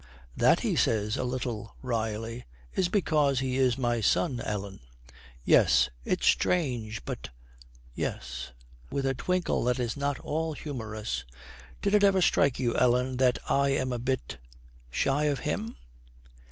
'That,' he says a little wryly, 'is because he is my son, Ellen.' 'Yes it's strange; but yes.' With a twinkle that is not all humorous, 'Did it ever strike you, Ellen, that I am a bit shy of him?'